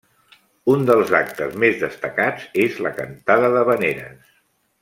Un dels actes més destacats és la cantada d’havaneres.